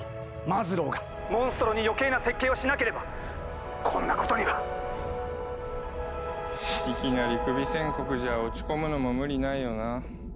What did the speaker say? マズローがモンストロに余計な設計をしなければこんなことには！いきなりクビ宣告じゃ落ち込むのも無理ないよな。